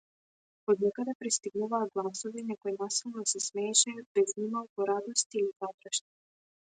Од некаде пристигнуваа гласови, некој насилно се смееше, без ни малку радост или задршка.